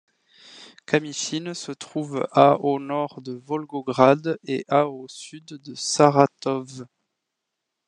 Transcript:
Kamychine se trouve à au nord de Volgograd et à au sud de Saratov.